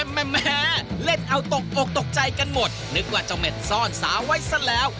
เฮ้ยทำไมแน่เล่นเอาตกออกตกใจกันหมดนึกว่าจะเม็ดซ่อนสาว้ายซะแล้ว